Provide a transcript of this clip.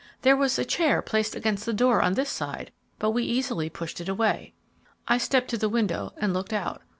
There was a chair placed against the door on this side but we easily pushed it away." I stepped to the window and looked out.